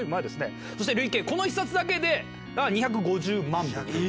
そして累計この１冊だけで２５０万部。